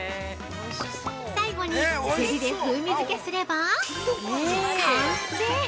◆最後にセリで風味づけすれば完成。